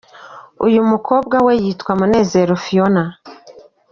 Uyu mukobwa we yitwa Munezero Phionah.